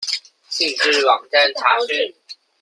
請至網站查詢